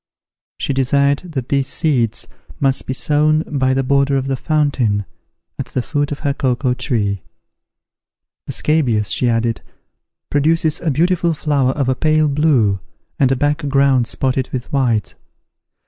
She desired that these seeds might be sown by the border of the fountain, at the foot of her cocoa tree. "The scabious," she added, "produces a beautiful flower of a pale blue, and a black ground spotted with white.